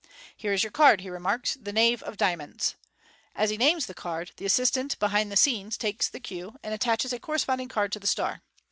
" Here is your card," he remarks, " thekna"e of diamonds." As he names the card, the assistant, behind the scenes, takes the cue, and attaches a corresponding card to the star.